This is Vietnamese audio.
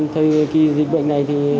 thời kỳ dịch bệnh này